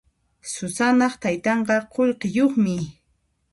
Susanaq taytanqa qullqiyuqmi.